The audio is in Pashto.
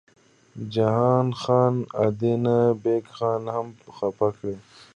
جهان خان ادینه بېګ خان هم خپه کړ.